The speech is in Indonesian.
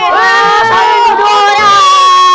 wah saya nuduh orang